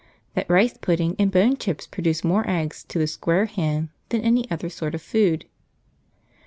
that rice pudding and bone chips produce more eggs to the square hen than any other sort of food.